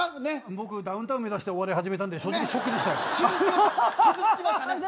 俺、ダウンタウン目指してお笑い始めたんでショックでした。